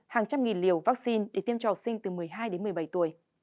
hàng trăm nghìn liều vaccine để tiêm trò sinh từ một mươi hai đến một mươi bảy tuổi